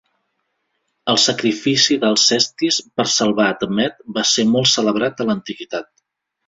El sacrifici d'Alcestis per salvar Admet va ser molt celebrat a l'antiguitat.